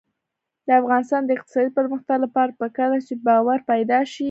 د افغانستان د اقتصادي پرمختګ لپاره پکار ده چې باور پیدا شي.